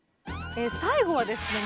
最後はですね